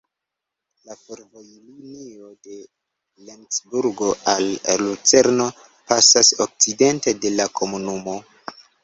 La fervojlinio de Lencburgo al Lucerno pasas okcidente de la komunumo.